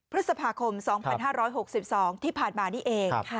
พฤษภาคม๒๕๖๒ที่ผ่านมานี่เอง